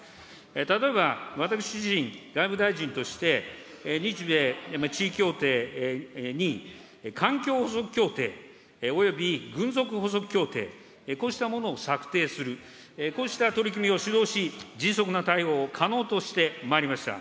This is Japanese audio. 例えば、私自身、外務大臣として日米地位協定に環境補足協定および軍属補足協定、こうしたものを策定する、こうした取り組みを主導し、迅速な対応を可能としてまいりました。